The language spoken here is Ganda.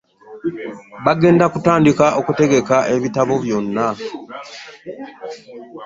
Bagenda kutandika okutegeka ebitabo byonna.